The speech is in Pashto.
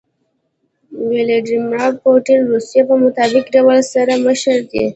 ويلاديمير پوتين روسيه په مطلق ډول سره مشر دي.